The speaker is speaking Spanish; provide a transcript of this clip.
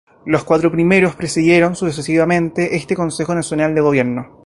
Los cuatro primeros presidieron sucesivamente este Consejo Nacional de Gobierno.